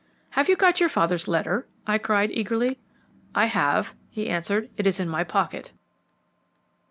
"Have you got your father's letter?" I cried eagerly. "I have," he answered; "it is in my pocket."